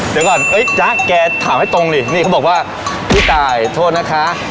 เดี๋ยวก่อนเอ้ยจ๊ะแกถามให้ตรงดินี่เขาบอกว่าพี่ตายโทษนะคะ